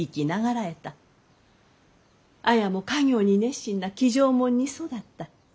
綾も家業に熱心な気丈者に育った。